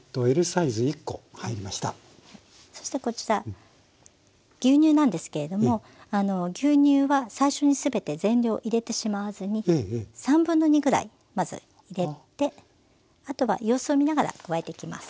そしてこちら牛乳なんですけれども牛乳は最初に全て全量入れてしまわずに2/3ぐらいまず入れてあとは様子を見ながら加えていきます。